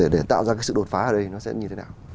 để tạo ra cái sự đột phá ở đây nó sẽ như thế nào